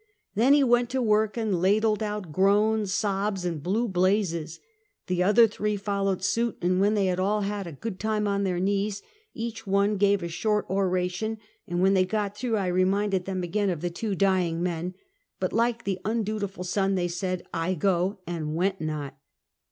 Then he went to work and ladled out groans, sobs and blue blazes. The other three followed suit, and when they had all had a good time on their knees, each one gave a short oration, and when they got through I reminded them again of the two dying men; but like the undutiful son, they said, " I go! and went not!"